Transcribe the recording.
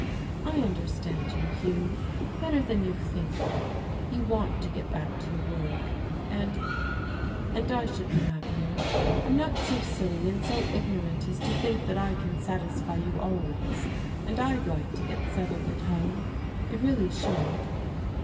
"I understand you, Hugh, better than you think. You want to get back to your work, and and I should be happier. I'm not so silly and so ignorant as to think that I can satisfy you always. And I'd like to get settled at home, I really should."